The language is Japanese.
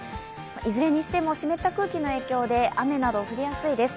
いずれにしても湿った空気の影響で雨など、降りやすいです。